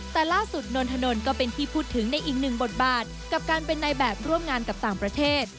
แต่ล่าสุดนนทนนท์ก็เป็นที่พูดถึงในอีกหนึ่งบทบาทกับการเป็นในแบบร่วมงานกับต่างประเทศ